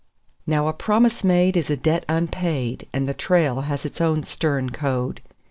Now a promise made is a debt unpaid, and the trail has its own stern code.